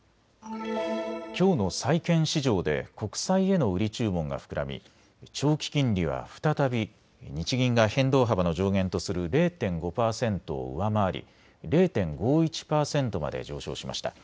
きょうの債券市場で国債への売り注文が膨らみ長期金利は再び日銀が変動幅の上限とする０．５％を上回り０．５１％まで上昇しました。